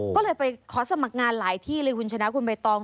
ก็เลยไปขอสมัครงานหลายที่เลยคุณชนะคุณใบตอง